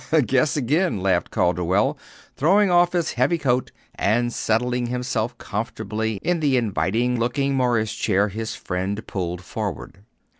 "Guess again," laughed Calderwell, throwing off his heavy coat and settling himself comfortably in the inviting looking morris chair his friend pulled forward.